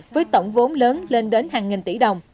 với tổng vốn lớn lên đến hàng nghìn tỷ đồng